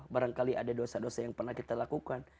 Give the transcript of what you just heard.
barangkali ada dosa dosa yang pernah kita lakukan